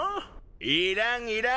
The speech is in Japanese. いらんいらん。